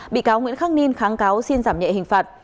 bị cáo nguyễn khắc ninh kháng cáo xin giảm nhẹ hình phạt